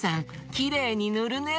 きれいにぬるね。